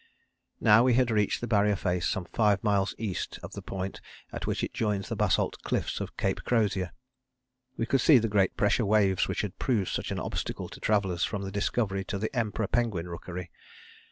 Now we had reached the Barrier face some five miles east of the point at which it joins the basalt cliffs of Cape Crozier. We could see the great pressure waves which had proved such an obstacle to travellers from the Discovery to the Emperor penguin rookery.